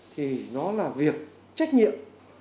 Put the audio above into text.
thì nó là việc trách nhiệm